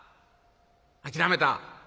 諦めた。